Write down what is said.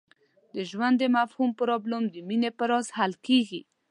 د ژوند د مفهوم پرابلم د مینې په راز حل کېږي.